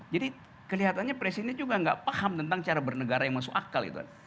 jadi kelihatannya presiden juga nggak paham tentang cara bernegara yang masuk akal itu kan